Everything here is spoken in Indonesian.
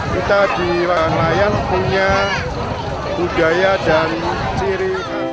kita di nelayan punya budaya dan ciri